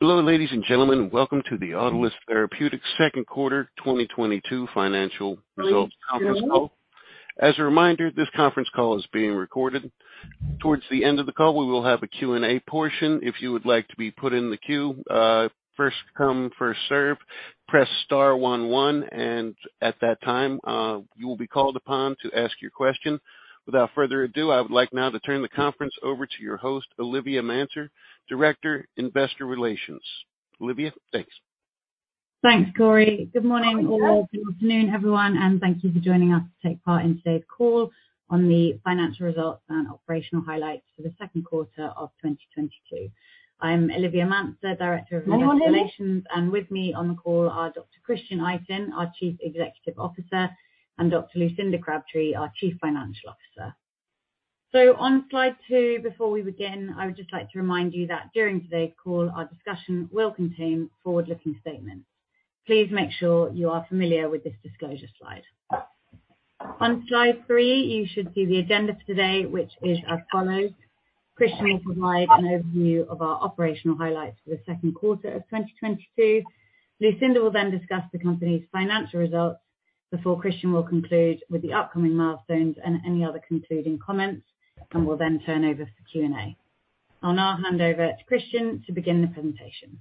Hello, ladies and gentlemen. Welcome to the Autolus Therapeutics Q2 2022 financial results conference call. As a reminder, this conference call is being recorded. Towards the end of the call, we will have a Q&A portion. If you would like to be put in the queue, first come, first served, press star one one, and at that time, you will be called upon to ask your question. Without further ado, I would like now to turn the conference over to your host, Olivia Manser, Director, Investor Relations. Olivia, thanks. Thanks, Corey. Good morning all. Good afternoon, everyone, and thank you for joining us to take part in today's call on the financial results and operational highlights for the Q2 of 2022. I'm Olivia Manser, Director of Investor Relations, and with me on the call are Dr. Christian Itin, our Chief Executive Officer, and Dr. Lucinda Crabtree, our Chief Financial Officer. On slide two, before we begin, I would just like to remind you that during today's call, our discussion will contain forward-looking statements. Please make sure you are familiar with this disclosure slide. On slide three, you should see the agenda for today, which is as follows. Christian will provide an overview of our operational highlights for the Q2 of 2022. Lucinda will then discuss the company's financial results before Christian will conclude with the upcoming milestones and any other concluding comments, and we'll then turn over for Q&A. I'll now hand over to Christian to begin the presentation.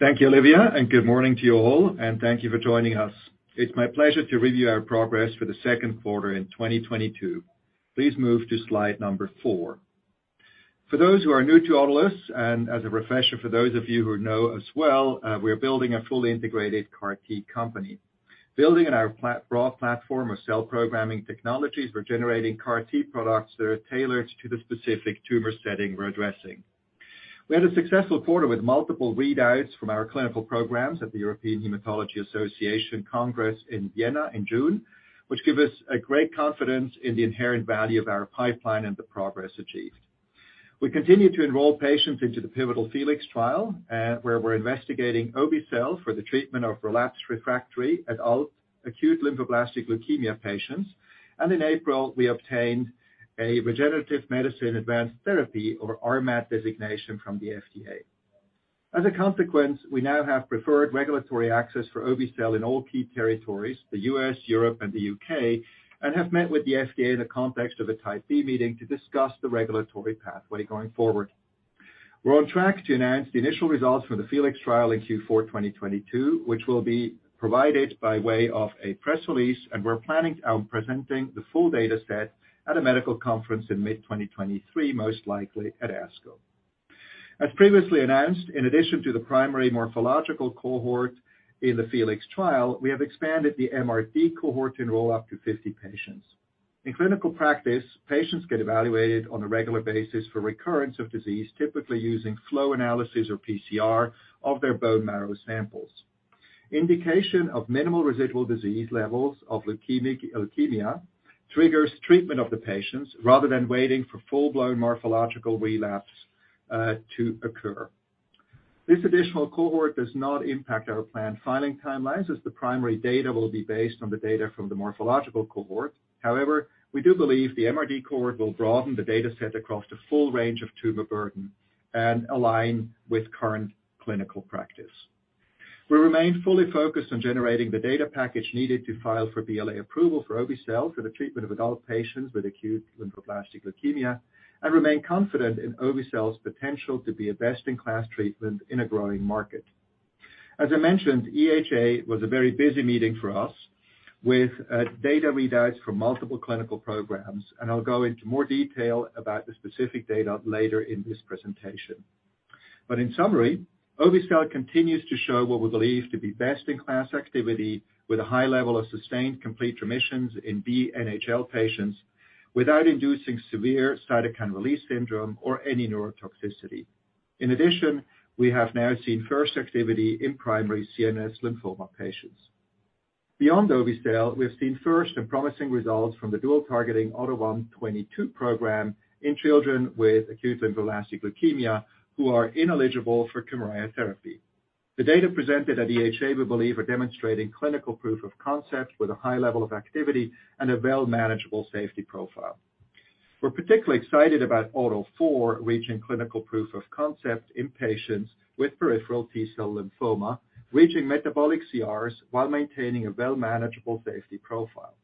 Thank you, Olivia, and good morning to you all, and thank you for joining us. It's my pleasure to review our progress for the Q2 in 2022. Please move to slide number 4. For those who are new to Autolus, and as a refresher for those of you who know us well, we are building a fully integrated CAR T company. Building on our broad platform of cell programming technologies, we're generating CAR T products that are tailored to the specific tumor setting we're addressing. We had a successful quarter with multiple readouts from our clinical programs at the European Hematology Association Congress in Vienna in June, which give us a great confidence in the inherent value of our pipeline and the progress achieved. We continue to enroll patients into the pivotal FELIX trial, where we're investigating Obe-cel for the treatment of relapsed refractory adult acute lymphoblastic leukemia patients. In April, we obtained a regenerative medicine advanced therapy or RMAT designation from the FDA. As a consequence, we now have preferred regulatory access for Obe-cel in all key territories, the U.S., Europe, and the U.K., and have met with the FDA in the context of a Type B meeting to discuss the regulatory pathway going forward. We're on track to announce the initial results for the FELIX trial in Q4 2022, which will be provided by way of a press release, and we're planning on presenting the full dataset at a medical conference in mid-2023, most likely at ASCO. As previously announced, in addition to the primary morphological cohort in the FELIX trial, we have expanded the MRD cohort to enroll up to 50 patients. In clinical practice, patients get evaluated on a regular basis for recurrence of disease, typically using flow analysis or PCR of their bone marrow samples. Indication of minimal residual disease levels of leukemic leukemia triggers treatment of the patients rather than waiting for full-blown morphological relapse to occur. This additional cohort does not impact our planned filing timelines, as the primary data will be based on the data from the morphological cohort. However, we do believe the MRD cohort will broaden the dataset across the full range of tumor burden and align with current clinical practice. We remain fully focused on generating the data package needed to file for BLA approval for obe-cel for the treatment of adult patients with acute lymphoblastic leukemia, and remain confident in obe-cel's potential to be a best-in-class treatment in a growing market. As I mentioned, EHA was a very busy meeting for us with data readouts from multiple clinical programs, and I'll go into more detail about the specific data later in this presentation. In summary, obe-cel continues to show what we believe to be best-in-class activity with a high level of sustained complete remissions in B-NHL patients without inducing severe cytokine release syndrome or any neurotoxicity. In addition, we have now seen first activity in primary CNS lymphoma patients. Beyond obe-cel, we have seen first and promising results from the dual targeting AUTO1/22 program in children with acute lymphoblastic leukemia who are ineligible for Kymriah therapy. The data presented at EHA, we believe, are demonstrating clinical proof of concept with a high level of activity and a well manageable safety profile. We're particularly excited about AUTO4 reaching clinical proof of concept in patients with peripheral T-cell lymphoma, reaching metabolic CRs while maintaining a well manageable safety profile.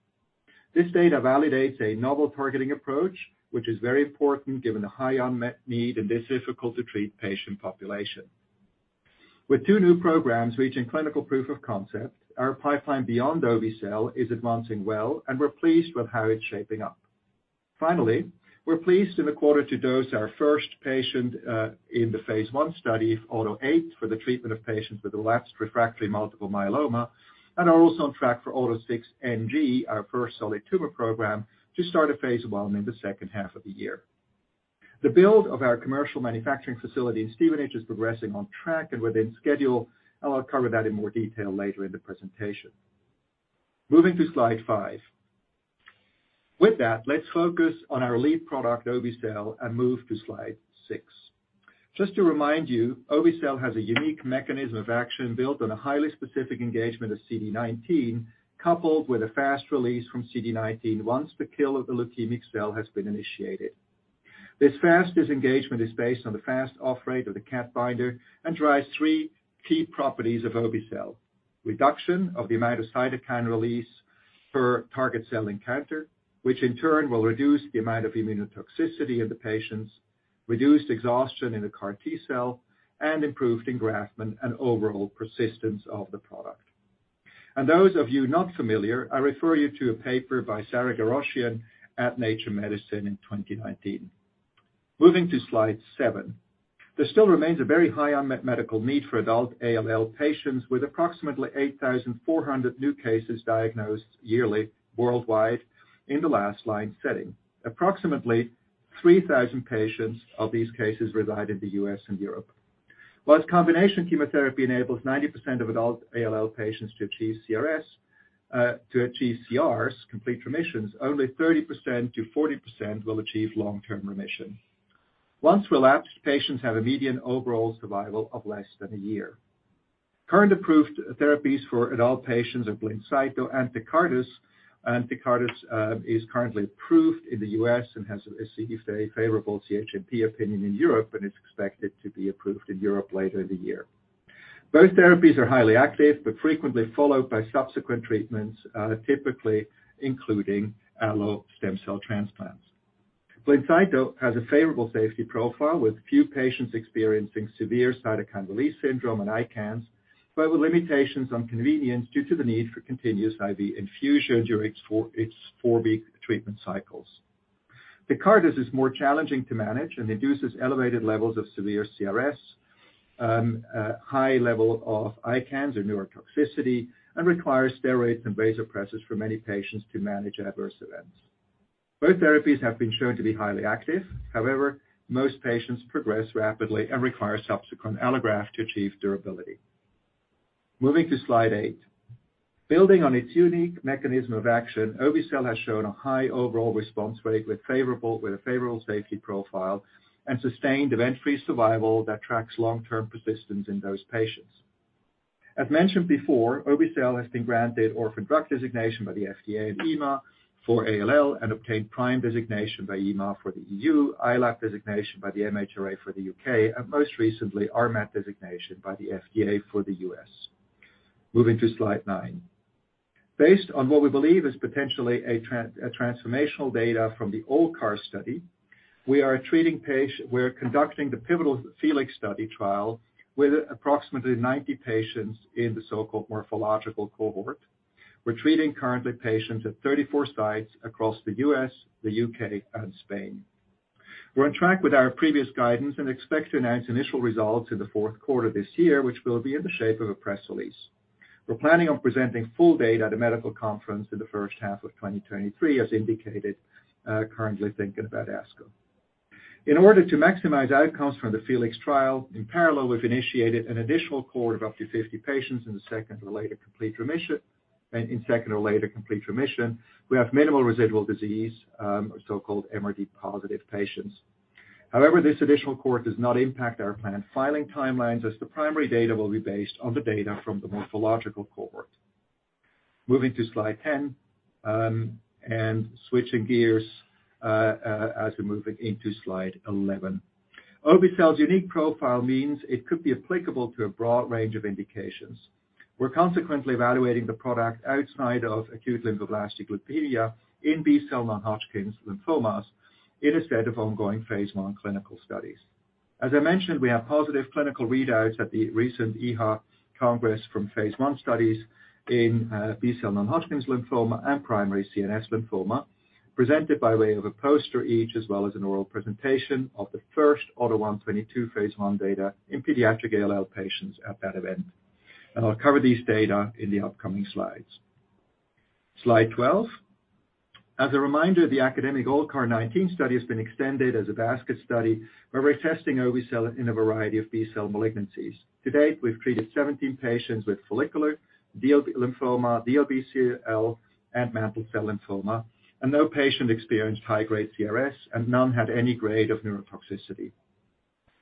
This data validates a novel targeting approach, which is very important given the high unmet need in this difficult to treat patient population. With two new programs reaching clinical proof of concept, our pipeline beyond obe-cel is advancing well, and we're pleased with how it's shaping up. Finally, we're pleased in the quarter to dose our first patient in the Phase I study of AUTO8 for the treatment of patients with relapsed refractory multiple myeloma, and are also on track for AUTO6NG, our first solid tumor program, to start a Phase I in the H2 of the year. The build of our commercial manufacturing facility in Stevenage is progressing on track and within schedule, and I'll cover that in more detail later in the presentation. Moving to slide 5. With that, let's focus on our lead product, obe-cel, and move to slide 6. Just to remind you, obe-cel has a unique mechanism of action built on a highly specific engagement of CD19, coupled with a fast release from CD19 once the killing of the leukemic cell has been initiated. This fast disengagement is based on the fast off-rate of the CAR binder and drives three key properties of obe-cel. Reduction of the amount of cytokine release per target cell encounter, which in turn will reduce the amount of immunotoxicity in the patients, reduced exhaustion in the CAR T cell, and improved engraftment and overall persistence of the product. Those of you not familiar, I refer you to a paper by Sara Ghorashian at Nature Medicine in 2019. Moving to slide seven. There still remains a very high unmet medical need for adult ALL patients, with approximately 8,400 new cases diagnosed yearly worldwide in the last line setting. Approximately 3,000 patients of these cases reside in the U.S. and Europe. While combination chemotherapy enables 90% of adult ALL patients to achieve CRs, complete remissions, only 30%-40% will achieve long-term remission. Once relapsed, patients have a median overall survival of less than a year. Current approved therapies for adult patients are Blincyto and Tecartus. Tecartus is currently approved in the U.S. And has a very favorable CHMP opinion in Europe, and it's expected to be approved in Europe later in the year. Both therapies are highly active, but frequently followed by subsequent treatments, typically including allo stem cell transplants. Blincyto has a favorable safety profile, with few patients experiencing severe cytokine release syndrome and ICANS, but with limitations on convenience due to the need for continuous IV infusion during its four-week treatment cycles. Tecartus is more challenging to manage and induces elevated levels of severe CRS, a high level of ICANS or neurotoxicity, and requires steroids and vasopressors for many patients to manage adverse events. Both therapies have been shown to be highly active. However, most patients progress rapidly and require subsequent allograft to achieve durability. Moving to slide eight. Building on its unique mechanism of action, obe-cel has shown a high overall response rate with a favorable safety profile and sustained event-free survival that tracks long-term persistence in those patients. As mentioned before, obe-cel has been granted Orphan Drug Designation by the FDA and EMA for ALL and obtained PRIME designation by EMA for the EU, ILAP designation by the MHRA for the UK, and most recently, RMAT designation by the FDA for the U.S. Moving to slide nine. Based on what we believe is potentially a transformational data from the ALLCAR study, we're conducting the pivotal FELIX study trial with approximately 90 patients in the so-called morphological cohort. We're currently treating patients at 34 sites across the U.S., the U.K., and Spain. We're on track with our previous guidance and expect to announce initial results in the Q4 this year, which will be in the shape of a press release. We're planning on presenting full data at a medical conference in the H1 of 2023, as indicated, currently thinking about ASCO. In order to maximize outcomes from the FELIX trial, in parallel, we've initiated an additional cohort of up to 50 patients in the second or later complete remission, who have minimal residual disease, so-called MRD positive patients. However, this additional cohort does not impact our planned filing timelines, as the primary data will be based on the data from the morphological cohort. Moving to slide 10 and switching gears as we're moving into slide 11. obe-cel's unique profile means it could be applicable to a broad range of indications. We're consequently evaluating the product outside of acute lymphoblastic leukemia in B-cell non-Hodgkin's lymphomas in a set of ongoing Phase I clinical studies. As I mentioned, we have positive clinical readouts at the recent EHA Congress from Phase I studies in B-cell non-Hodgkin's lymphoma and primary CNS lymphoma, presented by way of a poster each, as well as an oral presentation of the first AUTO1/22 Phase I data in pediatric ALL patients at that event. I'll cover these data in the upcoming slides. Slide 12. As a reminder, the academic ALLCAR19 study has been extended as a basket study, where we're testing obe-cel in a variety of B-cell malignancies. To date, we've treated 17 patients with follicular lymphoma, DLBCL, and mantle cell lymphoma, and no patient experienced high-grade CRS, and none had any grade of neurotoxicity.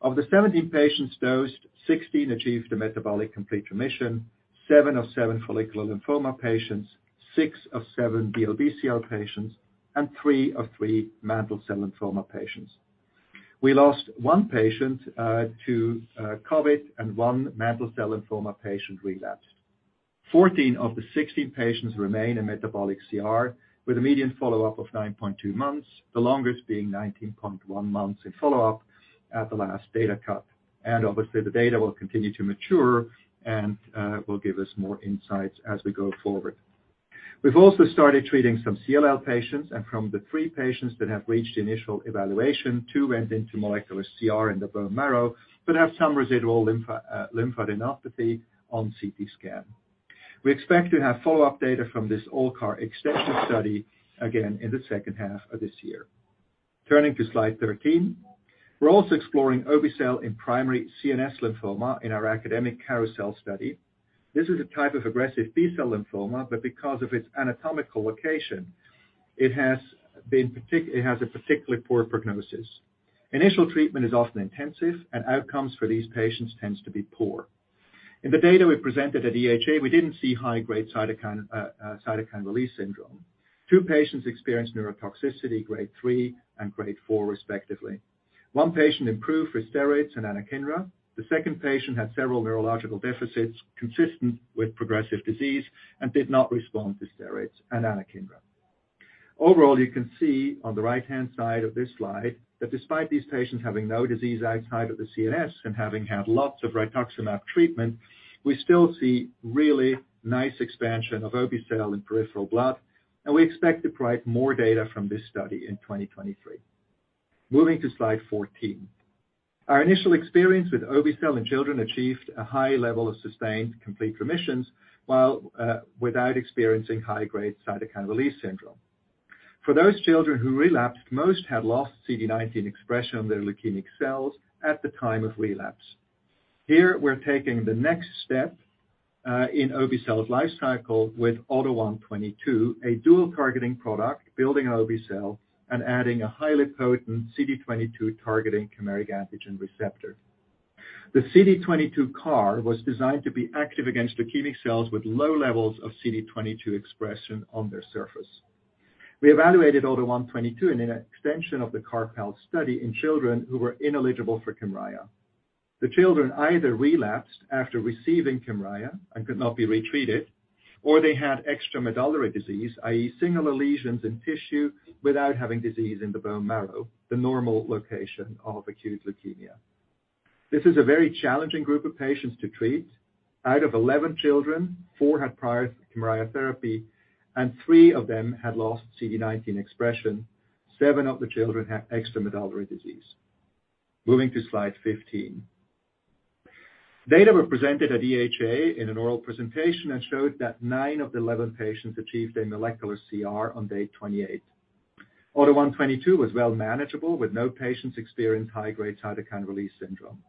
Of the 17 patients dosed, 16 achieved a metabolic complete remission, seven of seven follicular lymphoma patients, six of seven DLBCL patients, and three of three mantle cell lymphoma patients. We lost one patient to COVID, and one mantle cell lymphoma patient relapsed. Fourteen of the 16 patients remain in metabolic CR with a median follow-up of 9.2 months, the longest being 19.1 months in follow-up at the last data cut. Obviously, the data will continue to mature and will give us more insights as we go forward. We've also started treating some CLL patients, and from the three patients that have reached initial evaluation, two went into molecular CR in the bone marrow but have some residual lymph, lymphadenopathy on CT scan. We expect to have follow-up data from this ALLCAR extension study again in the H2 of this year. Turning to slide 13. We're also exploring obe-cel in primary CNS lymphoma in our academic Carousel study. This is a type of aggressive B-cell lymphoma, but because of its anatomical location, it has a particularly poor prognosis. Initial treatment is often intensive, and outcomes for these patients tends to be poor. In the data we presented at EHA, we didn't see high-grade cytokine release syndrome. Two patients experienced neurotoxicity grade 3 and grade 4, respectively. One patient improved with steroids and anakinra. The second patient had several neurological deficits consistent with progressive disease and did not respond to steroids and anakinra. Overall, you can see on the right-hand side of this slide that despite these patients having no disease outside of the CNS and having had lots of rituximab treatment, we still see really nice expansion of obe-cel in peripheral blood, and we expect to provide more data from this study in 2023. Moving to slide 14. Our initial experience with obe-cel in children achieved a high level of sustained complete remissions, while without experiencing high-grade cytokine release syndrome. For those children who relapsed, most had lost CD19 expression on their leukemic cells at the time of relapse. Here we're taking the next step in obe-cel's life cycle with AUTO1/22, a dual targeting product, building on obe-cel and adding a highly potent CD22 targeting chimeric antigen receptor. The CD22 CAR was designed to be active against leukemic cells with low levels of CD22 expression on their surface. We evaluated AUTO1/22 in an extension of the CARPALL study in children who were ineligible for Kymriah. The children either relapsed after receiving Kymriah and could not be retreated, or they had extramedullary disease, i.e., singular lesions in tissue without having disease in the bone marrow, the normal location of acute leukemia. This is a very challenging group of patients to treat. Out of 11 children, four had prior Kymriah therapy and three of them had lost CD19 expression. Seven of the children had extramedullary disease. Moving to slide 15. Data were presented at EHA in an oral presentation that showed that nine of the 11 patients achieved a molecular CR on day 28. AUTO1/22 was well manageable with no patients experienced high-grade cytokine release syndrome.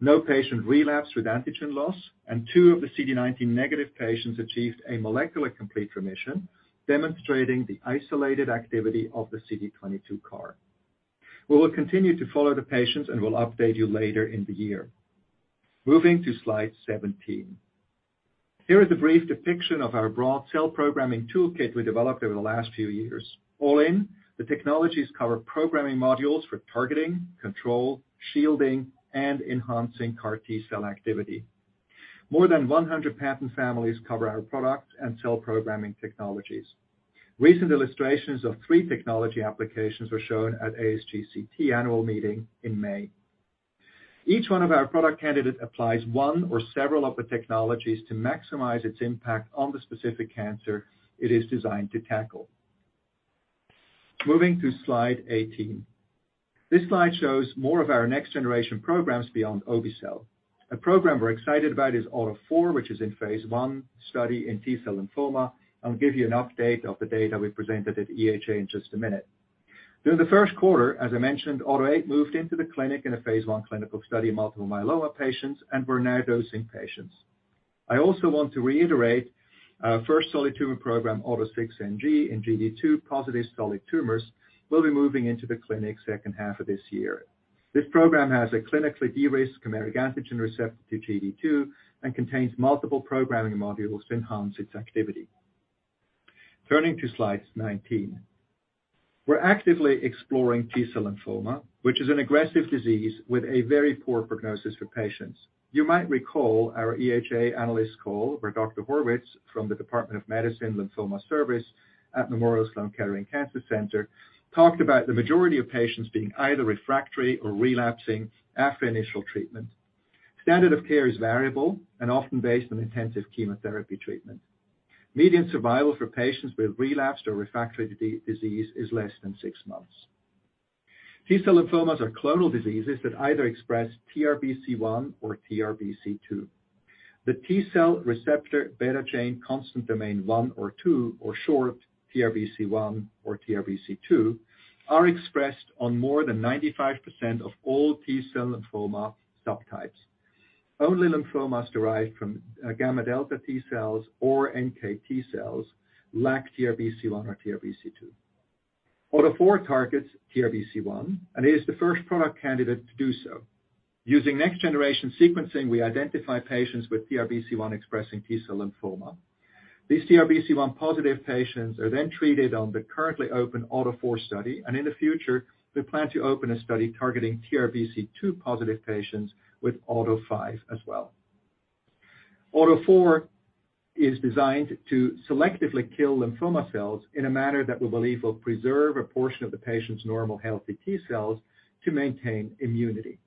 No patient relapsed with antigen loss, and two of the CD19 negative patients achieved a molecular complete remission, demonstrating the isolated activity of the CD22 CAR. We will continue to follow the patients and will update you later in the year. Moving to slide 17. Here is a brief depiction of our broad cell programming toolkit we developed over the last few years. All in, the technologies cover programming modules for targeting, control, shielding, and enhancing CAR T-cell activity. More than 100 patent families cover our products and cell programming technologies. Recent illustrations of three technology applications were shown at ASGCT annual meeting in May. Each one of our product candidate applies one or several of the technologies to maximize its impact on the specific cancer it is designed to tackle. Moving to slide 18. This slide shows more of our next generation programs beyond obe-cel. A program we're excited about is AUTO4, which is in Phase I study in T-cell lymphoma. I'll give you an update of the data we presented at EHA in just a minute. During the Q1, as I mentioned, AUTO8 moved into the clinic in a Phase I clinical study in multiple myeloma patients, and we're now dosing patients. I also want to reiterate our first solid tumor program, AUTO6NG in GD2 positive solid tumors, will be moving into the clinic H2 of this year. This program has a clinically de-risked chimeric antigen receptor to GD2 and contains multiple programming modules to enhance its activity. Turning to slide 19. We're actively exploring T-cell lymphoma, which is an aggressive disease with a very poor prognosis for patients. You might recall our EHA analyst call where Dr. Horwitz from the Department of Medicine Lymphoma Service at Memorial Sloan Kettering Cancer Center talked about the majority of patients being either refractory or relapsing after initial treatment. Standard of care is variable and often based on intensive chemotherapy treatment. Median survival for patients with relapsed or refractory disease is less than six months. T-cell lymphomas are clonal diseases that either express TRBC1 or TRBC2. The T-cell receptor beta chain constant domain one or two, or short TRBC1 or TRBC2, are expressed on more than 95% of all T-cell lymphoma subtypes. Only lymphomas derived from gamma delta T-cells or NK T-cells lack TRBC1 or TRBC2. AUTO4 targets TRBC1, and it is the first product candidate to do so. Using next generation sequencing, we identify patients with TRBC1 expressing T-cell lymphoma. These TRBC1-positive patients are then treated on the currently open AUTO4 study, and in the future, we plan to open a study targeting TRBC2-positive patients with AUTO5 as well. AUTO4 is designed to selectively kill lymphoma cells in a manner that we believe will preserve a portion of the patient's normal healthy T-cells to maintain immunity.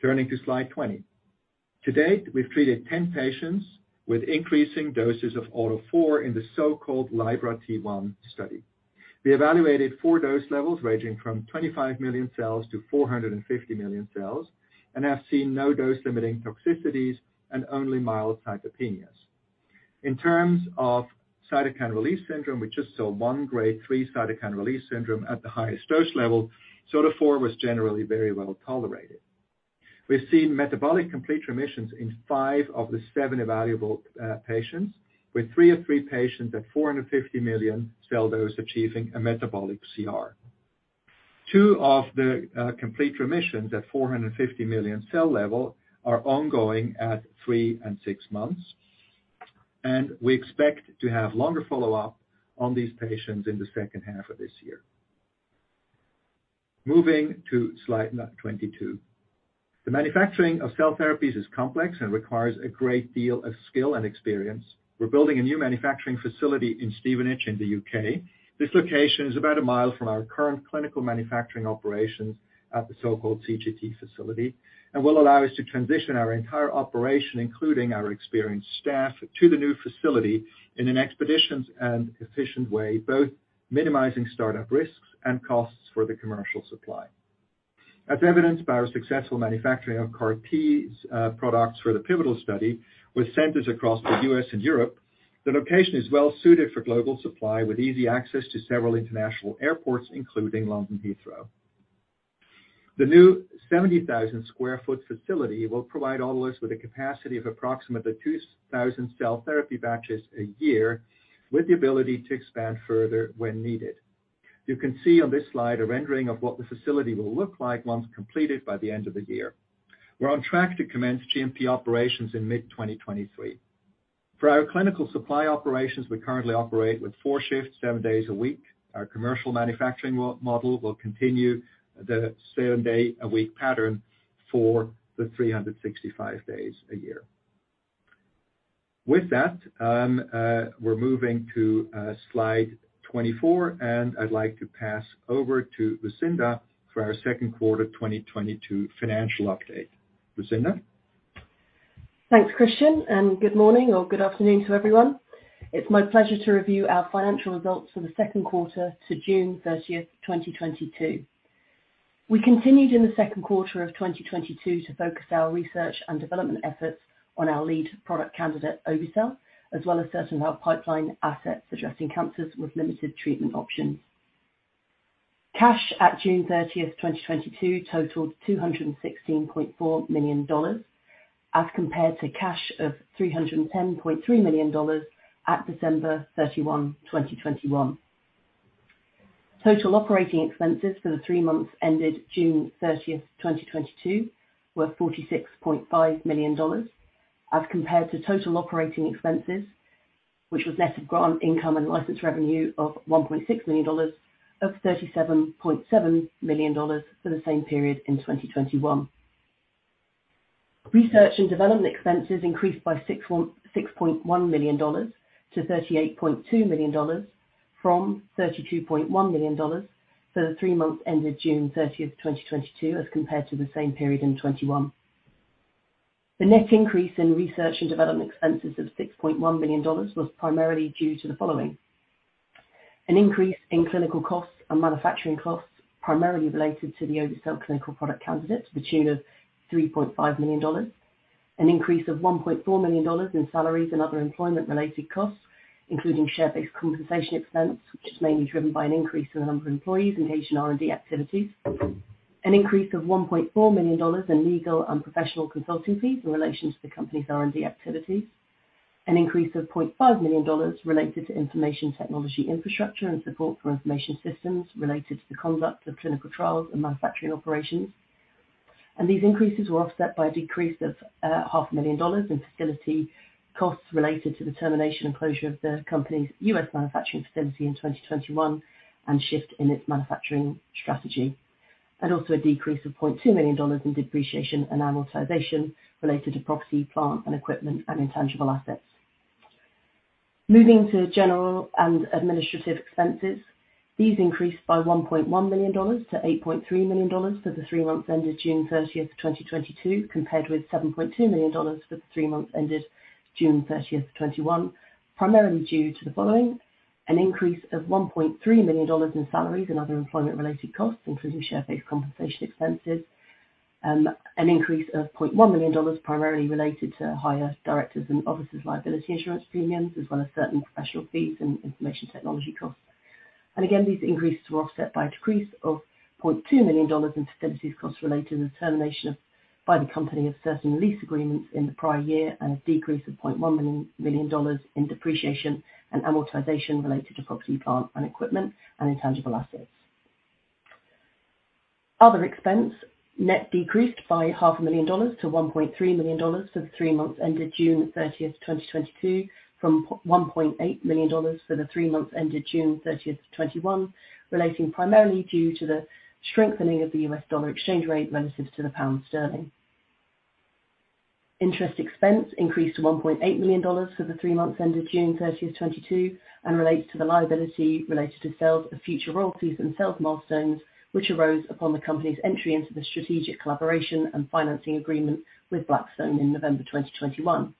Turning to slide 20. To date, we've treated 10 patients with increasing doses of AUTO4 in the so-called LibrA T1 study. We evaluated 4 dose levels ranging from 25 million cells to 450 million cells, and have seen no dose-limiting toxicities and only mild cytopenia. In terms of cytokine release syndrome, we just saw 1 grade 3 cytokine release syndrome at the highest dose level. AUTO4 was generally very well tolerated. We've seen metabolic complete remissions in five of the seven evaluable patients, with three of three patients at 450 million cell dose achieving a metabolic CR. Two of the complete remissions at 450 million cell level are ongoing at 3 and 6 months, and we expect to have longer follow-up on these patients in the H2 of this year. Moving to slide 22. The manufacturing of cell therapies is complex and requires a great deal of skill and experience. We're building a new manufacturing facility in Stevenage in the U.K. This location is about a mile from our current clinical manufacturing operations at the so-called CGT facility and will allow us to transition our entire operation, including our experienced staff, to the new facility in an expeditious and efficient way, both minimizing start-up risks and costs for the commercial supply. As evidenced by our successful manufacturing of CAR-T products for the pivotal study with centers across the U.S. and Europe, the location is well suited for global supply with easy access to several international airports, including London Heathrow. The new 70,000 sq ft facility will provide all of us with a capacity of approximately 2,000 cell therapy batches a year with the ability to expand further when needed. You can see on this slide a rendering of what the facility will look like once completed by the end of the year. We're on track to commence GMP operations in mid-2023. For our clinical supply operations, we currently operate with 4 shifts, 7 days a week. Our commercial manufacturing model will continue the 7 day a week pattern for the 365 days a year. With that, we're moving to slide 24, and I'd like to pass over to Lucinda for our Q2 2022 financial update. Lucinda? Thanks, Christian, and good morning or good afternoon to everyone. It's my pleasure to review our financial results for the Q2 to June 30, 2022. We continued in the Q2 of 2022 to focus our research and development efforts on our lead product candidate, obe-cel, as well as certain of our pipeline assets addressing cancers with limited treatment options. Cash at June 30, 2022 totaled $216.4 million as compared to cash of $310.3 million at December 31, 2021. Total operating expenses for the three months ended June 30, 2022 were $46.5 million, as compared to total operating expenses, which was less of grant income and license revenue of $1.6 million of $37.7 million for the same period in 2021. Research and development expenses increased by $6.1 million to $38.2 million from $32.1 million for the three months ended June 30, 2022, as compared to the same period in 2021. The net increase in research and development expenses of $6.1 million was primarily due to the following. An increase in clinical costs and manufacturing costs primarily related to the obe-cel clinical product candidate to the tune of $3.5 million. An increase of $1.4 million in salaries and other employment-related costs, including share-based compensation expense, which is mainly driven by an increase in the number of employees engaged in R&D activities. An increase of $1.4 million in legal and professional consulting fees in relation to the company's R&D activities. An increase of $0.5 million related to information technology infrastructure and support for information systems related to the conduct of clinical trials and manufacturing operations. These increases were offset by a decrease of half a million dollars in facility costs related to the termination and closure of the company's U.S. manufacturing facility in 2021 and shift in its manufacturing strategy. Also a decrease of $0.2 million in depreciation and amortization related to property, plant, and equipment and intangible assets. Moving to general and administrative expenses. These increased by $1.1 million to $8.3 million for the three months ended June thirtieth, 2022, compared with $7.2 million for the three months ended June thirtieth, 2021, primarily due to the following. An increase of $1.3 million in salaries and other employment-related costs, including share-based compensation expenses. An increase of $0.1 million primarily related to higher directors and officers liability insurance premiums, as well as certain professional fees and information technology costs. These increases were offset by a decrease of $0.2 million in facilities costs related to the termination by the company of certain lease agreements in the prior year and a decrease of $0.1 million in depreciation and amortization related to property, plant, and equipment and intangible assets. Other expense, net decreased by half a million dollars to $1.3 million for the three months ended June 30, 2022, from $1.8 million for the three months ended June 30, 2021, relating primarily due to the strengthening of the U.S. dollar exchange rate relative to the pound sterling. Interest expense increased to $1.8 million for the three months ended June 30, 2022 and relates to the liability related to sales of future royalties and sales milestones which arose upon the company's entry into the strategic collaboration and financing agreement with Blackstone in November 2021.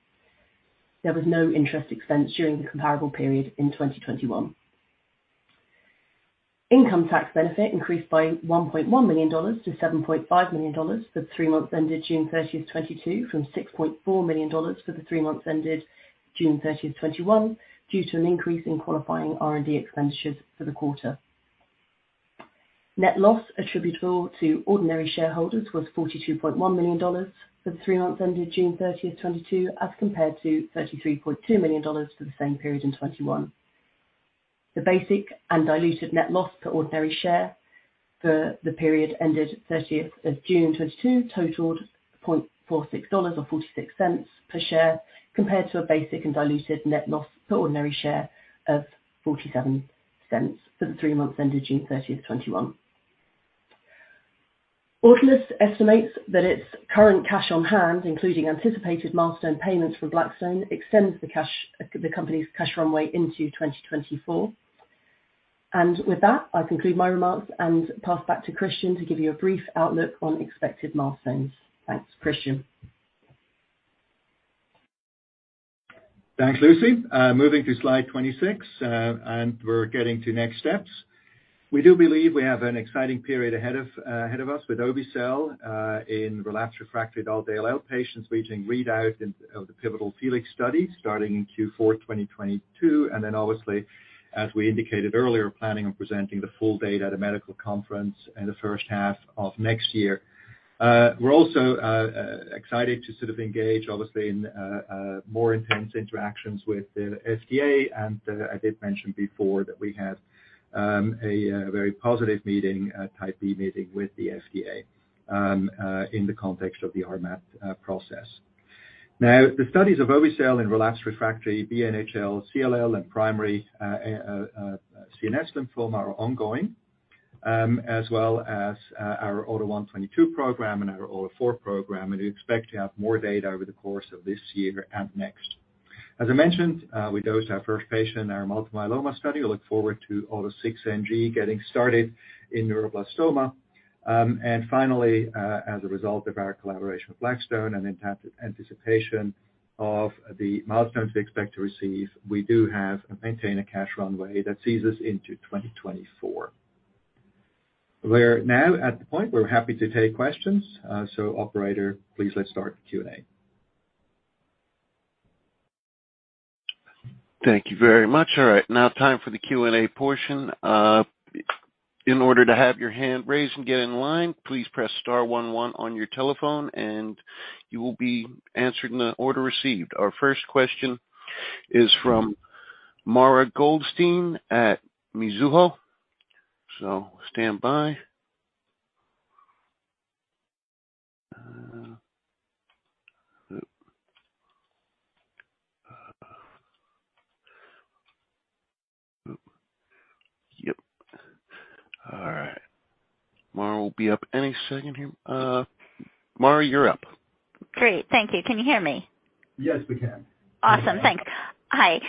There was no interest expense during the comparable period in 2021. Income tax benefit increased by $1.1 million to $7.5 million for the three months ended June 30th, 2022, from $6.4 million for the three months ended June 30th, 2021, due to an increase in qualifying R&D expenditures for the quarter. Net loss attributable to ordinary shareholders was $42.1 million for the three months ended June 30th, 2022, as compared to $33.2 million for the same period in 2021. The basic and diluted net loss per ordinary share for the period ended 30th of June 2022 totaled $0.46 or 46 cents per share, compared to a basic and diluted net loss per ordinary share of $0.47 for the three months ended June 30th, 2021. Autolus estimates that its current cash on hand, including anticipated milestone payments from Blackstone, extends the company's cash runway into 2024. With that, I conclude my remarks and pass back to Christian to give you a brief outlook on expected milestones. Thanks. Christian. Thanks, Lucy. Moving to slide 26, we're getting to next steps. We do believe we have an exciting period ahead of us with obe-cel in relapsed/refractory adult ALL patients, reaching readout of the pivotal FELIX study starting in Q4 2022. Then obviously, as we indicated earlier, planning on presenting the full data at a medical conference in the H1 of next year. We're also excited to sort of engage obviously in a more intense interactions with the FDA. I did mention before that we had a very positive meeting, a Type B meeting with the FDA, in the context of the RMAT process. Now, the studies of obe-cel in relapsed/refractory BNHL, CLL, and primary CNS lymphoma are ongoing, as well as our AUTO1/22 program and our AUTO4 program. We expect to have more data over the course of this year and next. As I mentioned, we dosed our first patient in our multiple myeloma study. We look forward to AUTO6NG getting started in neuroblastoma. As a result of our collaboration with Blackstone and in anticipation of the milestones we expect to receive, we do have and maintain a cash runway that sees us into 2024. We're now at the point where we're happy to take questions. Operator, please let's start the Q&A. Thank you very much. All right, now time for the Q&A portion. In order to have your hand raised and get in line, please press star one one on your telephone, and you will be answered in the order received. Our first question is from Mara Goldstein at Mizuho. Stand by. Yep. All right. Mara will be up any second here. Mara, you're up. Great. Thank you. Can you hear me? Yes, we can. Awesome. Thanks. Hi.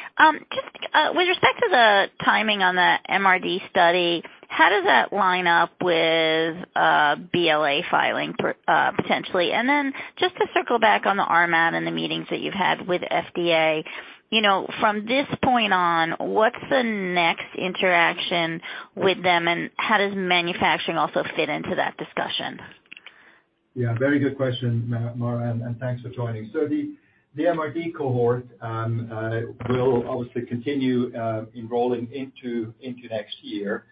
Just with respect to the timing on the MRD study, how does that line up with BLA filing for potentially? And then just to circle back on the RMAT and the meetings that you've had with fda from this point on, what's the next interaction with them, and how does manufacturing also fit into that discussion? Yeah, very good question, Maura, and thanks for joining. The MRD cohort will obviously continue enrolling into next year.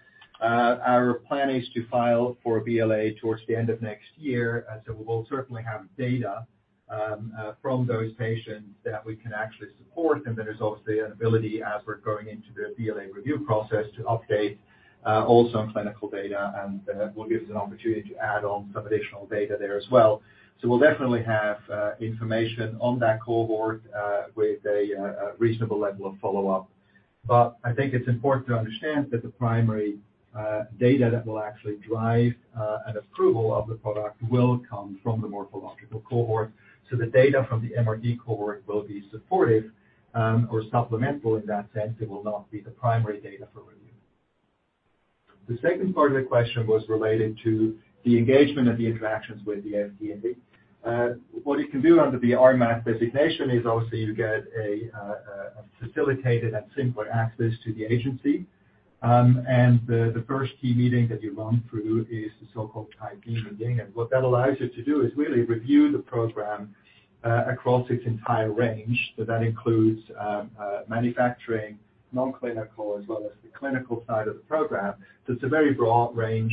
Our plan is to file for BLA towards the end of next year, so we will certainly have data from those patients that we can actually support. Then there's obviously an ability as we're going into the BLA review process to update also on clinical data, and will give us an opportunity to add on some additional data there as well. We'll definitely have information on that cohort with a reasonable level of follow-up. I think it's important to understand that the primary data that will actually drive an approval of the product will come from the morphological cohort. The data from the MRD cohort will be supportive, or supplemental in that sense. It will not be the primary data for review. The second part of the question was related to the engagement and the interactions with the FDA. What you can do under the RMAT designation is obviously you get a facilitated and simpler access to the agency. The first key meeting that you run through is the so-called Type B meeting. What that allows you to do is really review the program, across its entire range. That includes manufacturing, non-clinical as well as the clinical side of the program. It's a very broad range,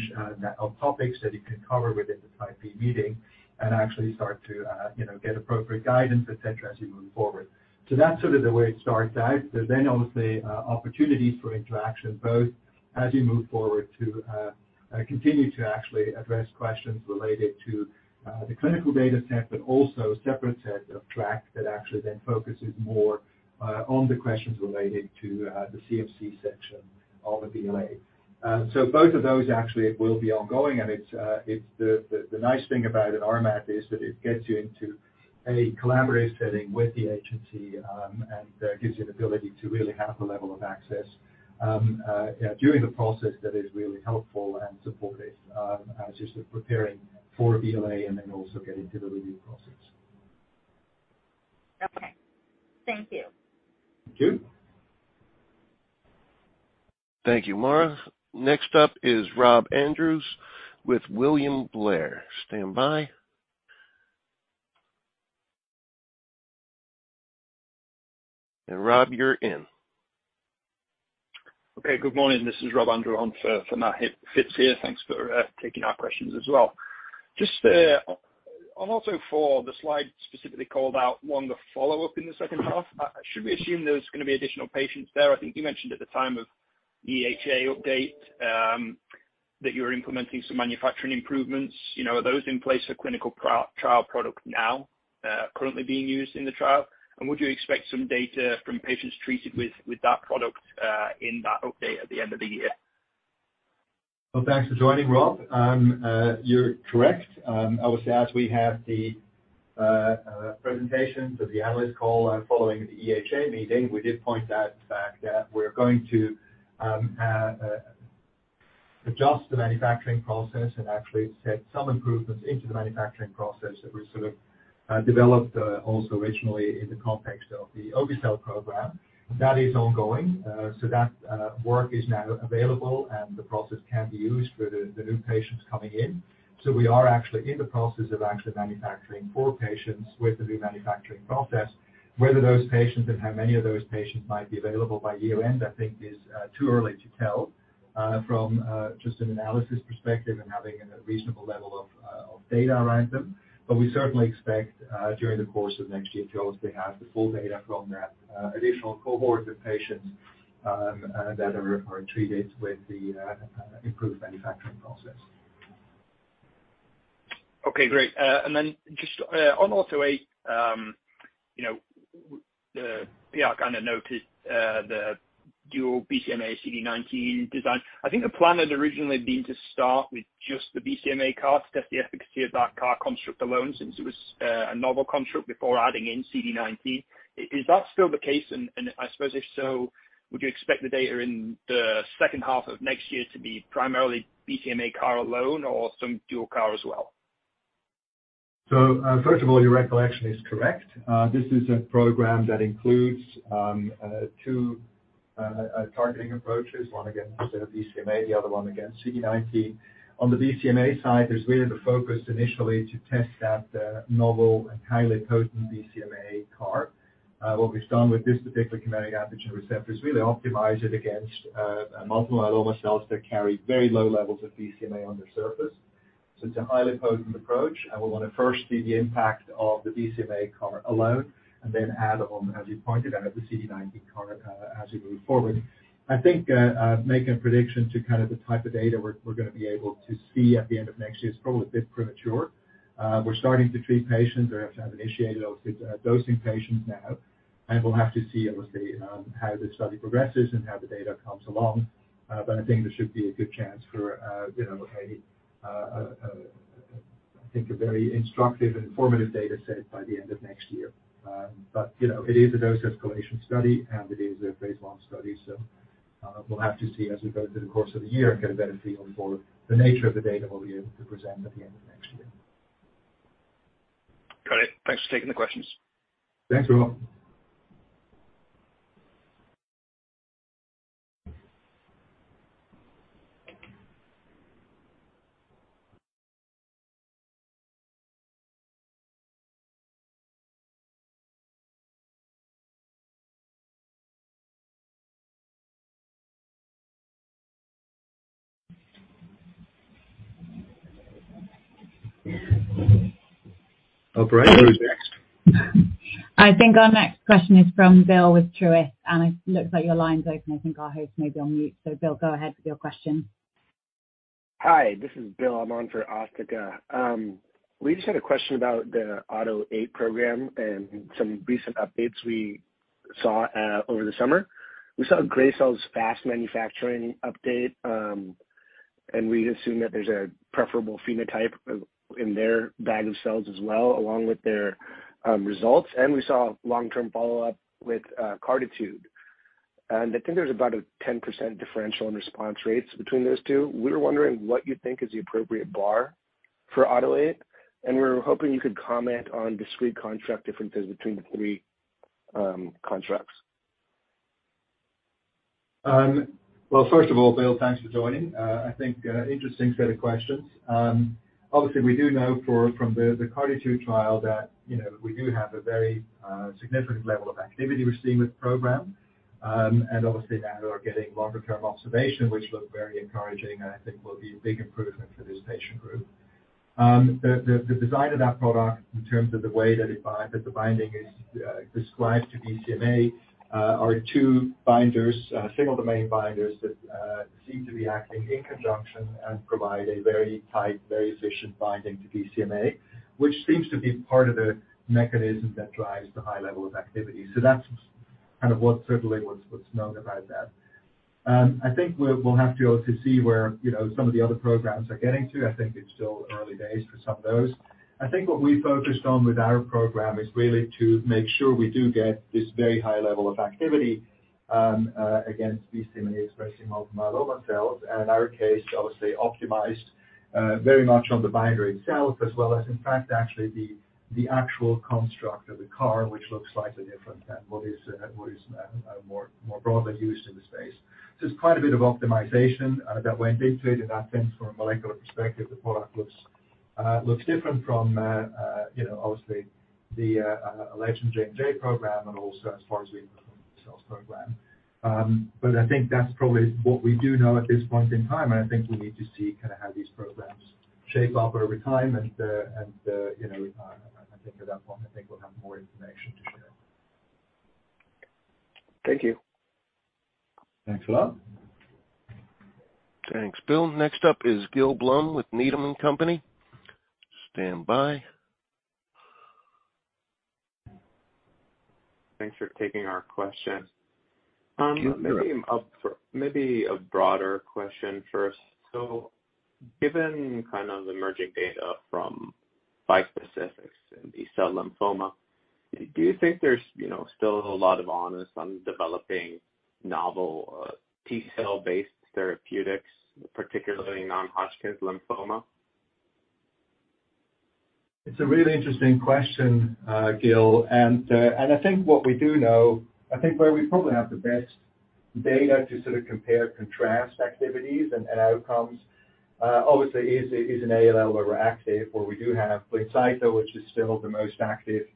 topics that you can cover within the Type B meeting and actually start to, get appropriate guidance, et cetera, as you move forward. That's sort of the way it starts out. There's then obviously opportunities for interaction both as you move forward to continue to actually address questions related to the clinical data set, but also a separate set of tracks that actually then focuses more on the questions related to the CMC section of the BLA. Both of those actually will be ongoing and it's the nice thing about an RMAT is that it gets you into a collaborative setting with the agency, and gives you an ability to really have the level of access during the process that is really helpful and supportive as you're preparing for BLA and then also getting to the review process. Thank you. Thank you. Thank you, Mara. Next up is Rob Andrews with William Blair. Standby. Rob, you're in. Okay. Good morning. This is Robert Dolski on for Matt Phipps here. Thanks for taking our questions as well. Just on AUTO4, the slide specifically called out the follow-up in the H2. Should we assume there's gonna be additional patients there? I think you mentioned at the time of EHA update that you were implementing some manufacturing improvements., are those in place for clinical trial product now currently being used in the trial? And would you expect some data from patients treated with that product in that update at the end of the year? Well, thanks for joining, Rob. You're correct. Obviously, as we have the presentations of the analyst call following the EHA meeting, we did point out the fact that we're going to adjust the manufacturing process and actually set some improvements into the manufacturing process that were sort of developed also originally in the context of the obe-cel program. That is ongoing. That work is now available, and the process can be used for the new patients coming in. We are actually in the process of actually manufacturing 4 patients with the new manufacturing process. Whether those patients and how many of those patients might be available by year-end, I think is too early to tell from just an analysis perspective and having a reasonable level of data around them. We certainly expect during the course of next year to also have the full data from that additional cohort of patients that are treated with the improved manufacturing process. Okay, great. Then just on auto8 yeah, I kinda noticed the dual BCMA CD19 design. I think the plan had originally been to start with just the BCMA CAR, test the efficacy of that CAR construct alone since it was a novel construct before adding in CD19. Is that still the case? I suppose if so, would you expect the data in the H2 of next year to be primarily BCMA CAR alone or some dual CAR as well? First of all, your recollection is correct. This is a program that includes two targeting approaches, one against BCMA, the other one against CD19. On the BCMA side, there's really the focus initially to test that novel and highly potent BCMA CAR. What we've done with this particular chimeric antigen receptor is really optimize it against multiple myeloma cells that carry very low levels of BCMA on their surface. It's a highly potent approach, and we wanna first see the impact of the BCMA CAR alone and then add on, as you pointed out, the CD19 CAR as we move forward. I think making a prediction to kind of the type of data we're gonna be able to see at the end of next year is probably a bit premature. We're starting to treat patients. We have to have initiated, obviously, dosing patients now, and we'll have to see, obviously, how the study progresses and how the data comes along. I think there should be a good chance for I think a very instructive and informative data set by the end of next year. , it is a dose-escalation study and it is a Phase I study. We'll have to see as we go through the course of the year and get a better feel for the nature of the data we'll be able to present at the end of next year. Got it. Thanks for taking the questions. Thanks, Rob. Operator, who's next? I think our next question is from Bill with Truist. It looks like your line's open. I think our host may be on mute. Bill, go ahead with your question. Hi, this is Bill. I'm on for Asthika. We just had a question about the AUTO8 program and some recent updates we saw over the summer. We saw Gracell's fast manufacturing update, and we'd assume that there's a preferable phenotype of, in their bag of cells as well, along with their, results. We saw long-term follow-up with CARTITUDE. I think there's about a 10% differential in response rates between those two. We were wondering what you think is the appropriate bar for AUTO8, and we were hoping you could comment on discrete contract differences between the three, contracts. Well, first of all, Bill, thanks for joining. I think interesting set of questions. Obviously we do know from the CARTITUDE trial that we do have a very significant level of activity we're seeing with program. Obviously now we're getting longer term observation, which look very encouraging, and I think will be a big improvement for this patient group. The design of that product in terms of the way that the binding is described to BCMA are two binders, single domain binders that seem to be acting in conjunction and provide a very tight, very efficient binding to BCMA, which seems to be part of the mechanism that drives the high level of activity. That's kind of what's known about that. I think we'll have to also see where some of the other programs are getting to. I think it's still early days for some of those. I think what we focused on with our program is really to make sure we do get this very high level of activity against BCMA-expressing multiple myeloma cells. In our case, obviously optimized very much on the binder itself as well as in fact actually the actual construct of the CAR, which looks slightly different than what is more broadly used in the space. It's quite a bit of optimization that went into it, and I think from a molecular perspective, the product looks different from obviously the Legend J&J program and also as far as we know, the Gracell program. I think that's probably what we do know at this point in time. I think we need to see kinda how these programs shape up over time, and, I think at that point, I think we'll have more information to share. Thank you. Thanks a lot. Thanks, Bill. Next up is Gil Blum with Needham & Company. Standby. Thanks for taking our question. Sure. Maybe a broader question first. Given kind of the emerging data from bispecifics in B-cell lymphoma, do you think there's still a lot of onus on developing novel T-cell based therapeutics, particularly non-Hodgkin's lymphoma? It's a really interesting question, Gil, and I think what we do know, I think where we probably have the best data to sort of compare contrast activities and outcomes, obviously is in ALL where we're active, where we do have Blincyto, which is still the most active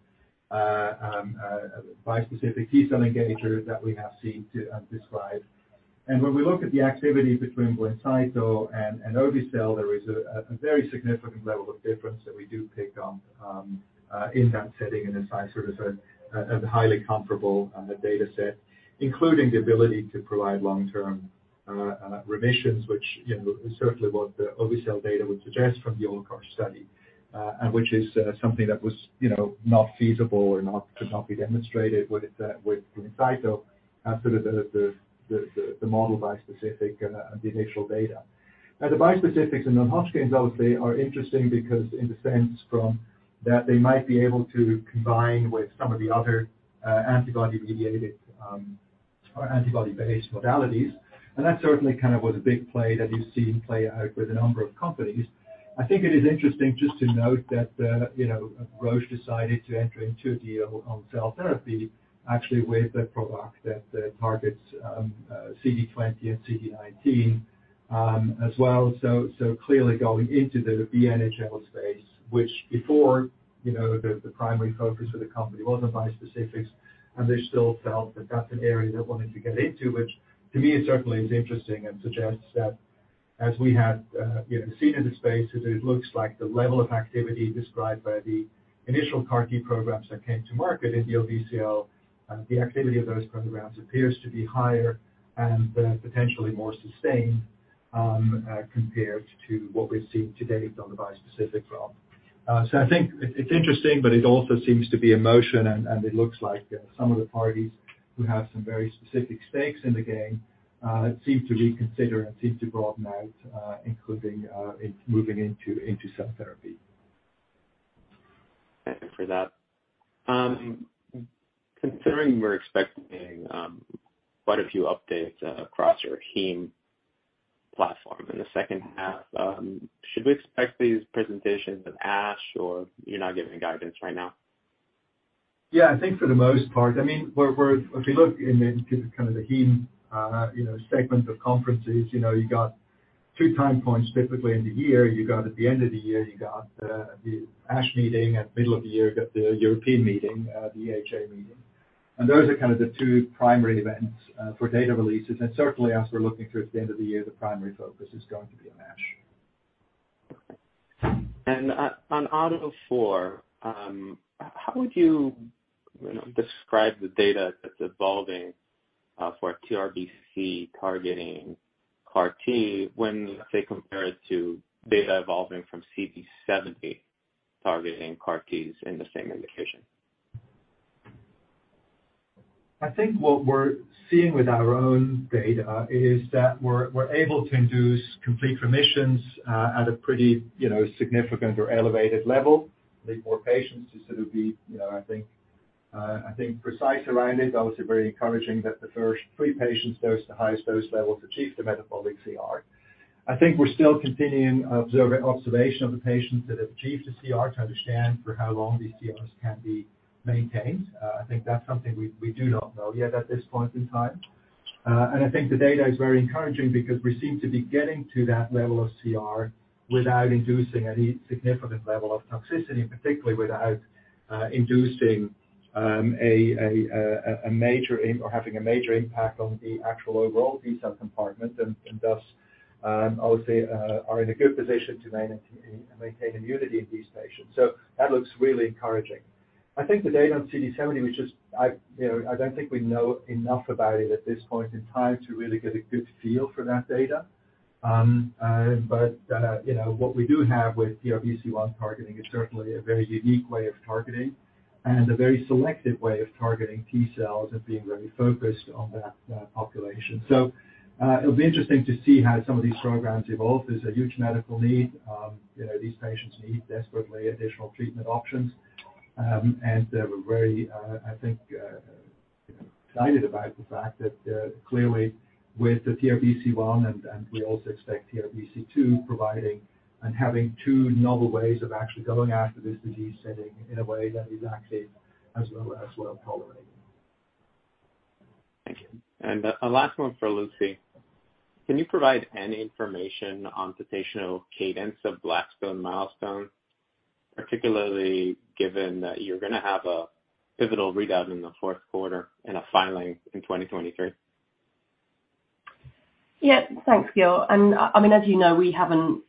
bispecific T-cell engager that we have seen to date. When we look at the activity between Blincyto and obe-cel, there is a very significant level of difference that we do take on in that setting and as I sort of a highly comparable data set, including the ability to provide long-term remissions, which is certainly what the obe-cel data would suggest from the ALLCAR study, and which is something that was not feasible or could not be demonstrated with Blincyto sort of the model bispecific the initial data. Now, the bispecifics in non-Hodgkin's obviously are interesting because in the sense from that they might be able to combine with some of the other antibody-mediated or antibody-based modalities. That certainly kind of was a big play that we've seen play out with a number of companies. I think it is interesting just to note that Roche decided to enter into a deal on cell therapy actually with a product that targets CD20 and CD19, as well. Clearly going into the BNHL space, which before, the primary focus of the company wasn't bispecifics, and they still felt that that's an area they're wanting to get into, which to me certainly is interesting and suggests that as we have seen in the space, it looks like the level of activity described by the initial CAR-T programs that came to market in the DLBCL, the activity of those programs appears to be higher and potentially more sustained compared to what we've seen to date on the bispecific front. I think it's interesting, but it also seems to be in motion and it looks like some of the parties who have some very specific stakes in the game seem to reconsider and seem to broaden out, including in moving into cell therapy. Thank you for that. Considering we're expecting quite a few updates across your heme platform in the H2, should we expect these presentations at ASH or you're not giving guidance right now? Yeah, I think for the most part. I mean, we're. If you look in the kind of the hematology segments of conferences, you got two time points typically in the year. You got at the end of the year, you got the ASH meeting, at middle of the year, you got the European meeting, the EHA meeting. Those are kind of the two primary events for data releases. Certainly as we're looking towards the end of the year, the primary focus is going to be on ASH. On AUTO4, how would, describe the data that's evolving for TRBC targeting CAR-T when, say, compare it to data evolving from CD70 targeting CAR-Ts in the same indication? I think what we're seeing with our own data is that we're able to induce complete remissions at a pretty significant or elevated level. I think more patients to sort of be I think precise around it, obviously very encouraging that the first three patients dosed, the highest dose level to achieve the metabolic CR. I think we're still continuing observation of the patients that have achieved the CR to understand for how long these CRs can be maintained. I think that's something we do not know yet at this point in time. I think the data is very encouraging because we seem to be getting to that level of CR without inducing any significant level of toxicity, particularly without inducing a major or having a major impact on the actual overall B-cell compartment, and thus obviously are in a good position to maintain immunity in these patients. That looks really encouraging. I think the data on CD70, which is I don't think we know enough about it at this point in time to really get a good feel for that data. But, what we do have with TRBC1 targeting is certainly a very unique way of targeting and a very selective way of targeting T-cells and being very focused on that population. It'll be interesting to see how some of these programs evolve. There's a huge medical need., these patients need desperately additional treatment options. We're very, I think, excited about the fact that clearly with the TRBC1, and we also expect TRBC2 providing and having two novel ways of actually going after this disease setting in a way that is actually as well tolerated. Thank you. A last one for Lucy. Can you provide any information on potential cadence of Blackstone milestone, particularly given that you're gonna have a pivotal readout in the Q4 and a filing in 2023? Yeah. Thanks, Gil. I mean, as, we haven't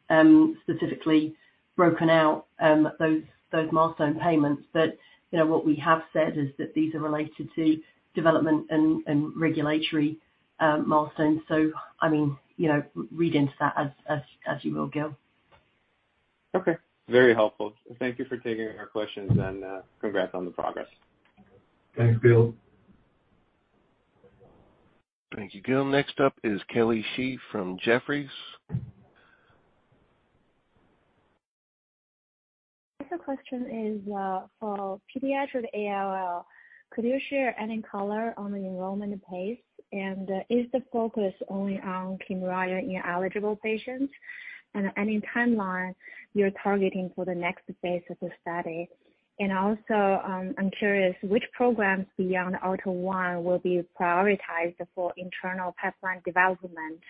specifically broken out those milestone payments., what we have said is that these are related to development and regulatory milestones. I mean read into that as you will, Gil. Okay. Very helpful. Thank you for taking our questions, and congrats on the progress. Thanks, Gil. Thank you, Gil. Next up is Kelly Shi from Jefferies. The question is for pediatric ALL. Could you share any color on the enrollment pace? Is the focus only on Kymriah in eligible patients? Any timeline you're targeting for the next phase of the study? I'm curious which programs beyond AUTO1 will be prioritized for internal pipeline development,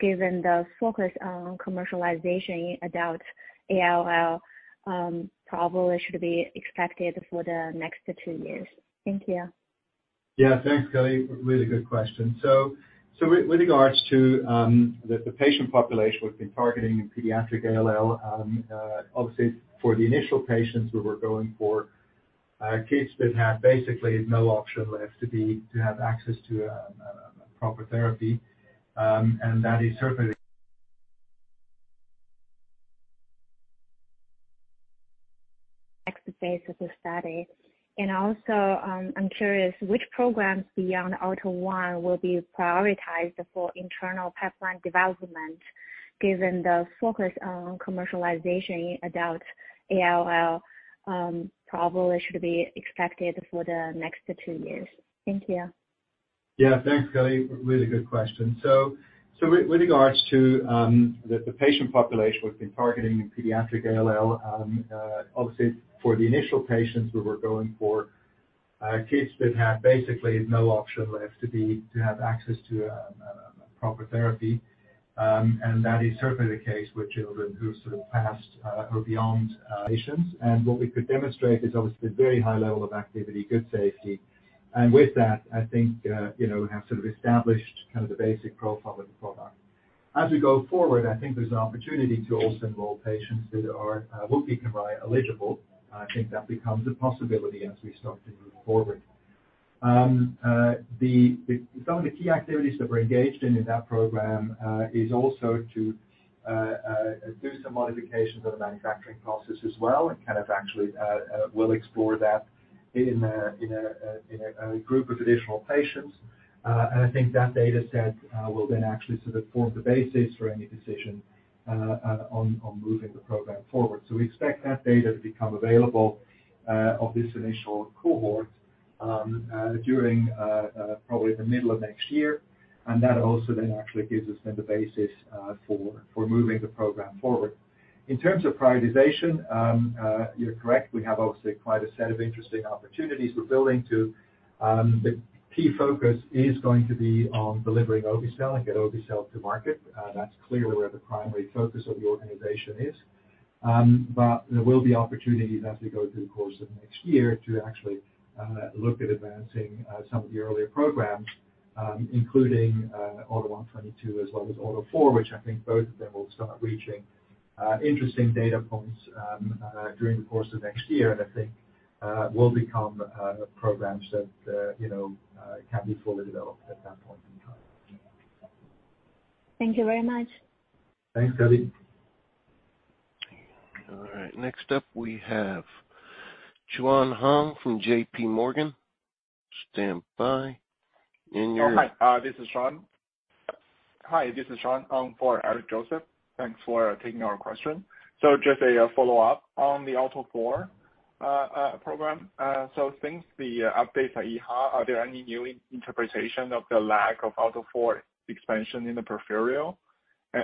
given the focus on commercialization in adult ALL, probably should be expected for the next two years. Thank you. Yeah. Thanks, Kelly. Really good question. With regards to the patient population we've been targeting in pediatric ALL, obviously for the initial patients, we were going for kids that had basically no option left to have access to a proper therapy, and that is certainly- Next phase of the study. Also, I'm curious which programs beyond AUTO1 will be prioritized for internal pipeline development, given the focus on commercialization in adult ALL, probably should be expected for the next two years. Thank you. Yeah. Thanks, Kelly. Really good question. So with regards to the patient population we've been targeting in pediatric ALL, obviously for the initial patients, we were going for kids that had basically no option left to have access to a proper therapy, and that is certainly the case with children who sort of relapsed or refractory patients. What we could demonstrate is obviously a very high level of activity, good safety. With that, I think have sort of established kind of the basic profile of the product. As we go forward, I think there's an opportunity to also enroll patients that will be Kymriah eligible. I think that becomes a possibility as we start to move forward. Some of the key activities that we're engaged in in that program is also to do some modifications of the manufacturing process as well and kind of actually we'll explore that in a group of additional patients. I think that data set will then actually sort of form the basis for any decision on moving the program forward. We expect that data to become available of this initial cohort during probably the middle of next year. That also then actually gives us the basis for moving the program forward. In terms of prioritization, you're correct. We have obviously quite a set of interesting opportunities we're building to. The key focus is going to be on delivering obe-cel and get obe-cel to market. That's clearly where the primary focus of the organization is. There will be opportunities as we go through the course of next year to actually look at advancing some of the earlier programs, including AUTO1/22 as well as AUTO4, which I think both of them will start reaching interesting data points during the course of next year. I think will become programs that can be fully developed at that point in time. Thank you very much. Thanks, Kelly. All right. Next up we have Xuan Hong from J.P. Morgan. Stand by. Oh, hi. This is Xuan. Hi, this is Xuan Hong for Eric Joseph. Thanks for taking our question. Just a follow-up on the AUTO4 program. Since the update at EHA, are there any new interpretation of the lack of AUTO4 expansion in the peripheral?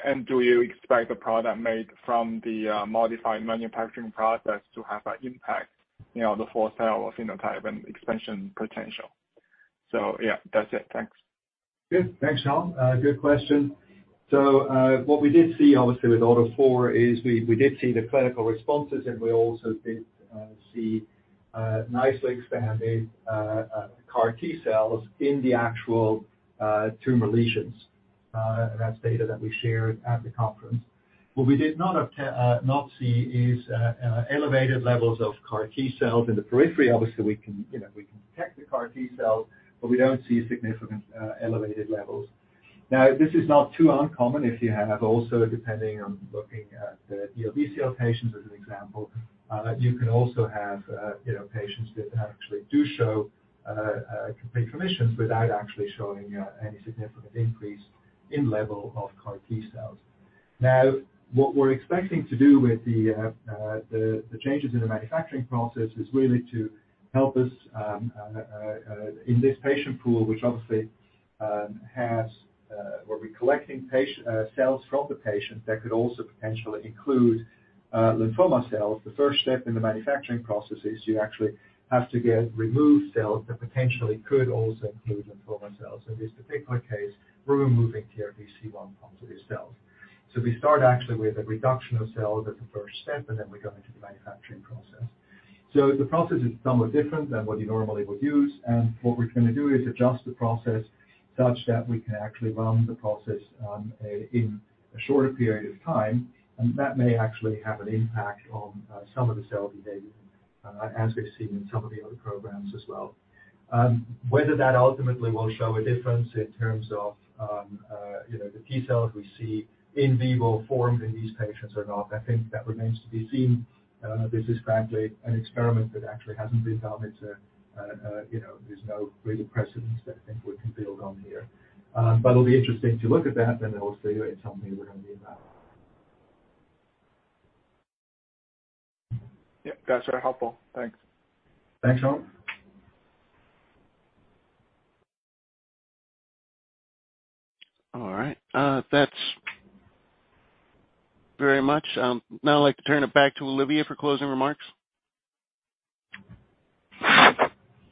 And do you expect the product made from the modified manufacturing process to have an impact on the AUTO4 cell phenotype and expansion potential? Yeah, that's it. Thanks. Good. Thanks, Xuan. Good question. What we did see obviously with AUTO4 is we did see the clinical responses, and we also did see nicely expanded CAR T-cells in the actual tumor lesions. That's data that we shared at the conference. What we did not see is elevated levels of CAR T-cells in the periphery. Obviously, we can we can detect the CAR T-cells, but we don't see significant elevated levels. Now, this is not too uncommon if you have also, depending on looking at the DLBCL patients as an example, you can also have patients that actually do show complete remissions without actually showing any significant increase in level of CAR T cells. Now, what we're expecting to do with the changes in the manufacturing process is really to help us in this patient pool, which obviously, where we're collecting patient cells from the patient that could also potentially include lymphoma cells. The first step in the manufacturing process is you actually have to remove cells that potentially could also include lymphoma cells. In this particular case, we're removing TRBC1-positive cells. We start actually with a reduction of cells at the first step, and then we go into the manufacturing process. The process is somewhat different than what you normally would use. What we're gonna do is adjust the process such that we can actually run the process in a shorter period of time. That may actually have an impact on some of the cell behavior as we've seen in some of the other programs as well. Whether that ultimately will show a difference in terms of the T cells we see in vivo formed in these patients or not, I think that remains to be seen. This is frankly an experiment that actually hasn't been done., there's no real precedent that I think we can build on here. It'll be interesting to look at that and then we'll see you and tell me what I mean by that. Yeah, that's very helpful. Thanks. Thanks, Xuan Hong. All right. That's very much. Now I'd like to turn it back to Olivia for closing remarks.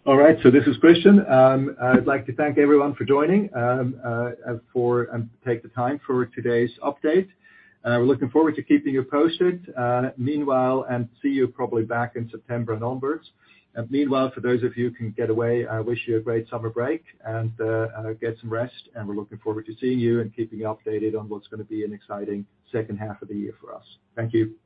All right, this is Christian. I'd like to thank everyone for joining and taking the time for today's update. We're looking forward to keeping you posted. Meanwhile, we'll see you probably back in September and onwards. Meanwhile, for those of you who can get away, I wish you a great summer break and get some rest. We're looking forward to seeing you and keeping you updated on what's gonna be an exciting H2 of the year for us. Thank you.